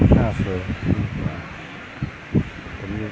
โหฉัน